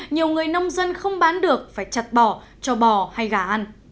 nhiều người nông dân không bán được phải chặt bỏ cho bò hay gà ăn